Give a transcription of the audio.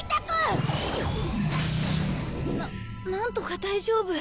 ななんとか大丈夫。